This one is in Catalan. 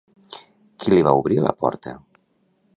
Qui li va obrir la porta?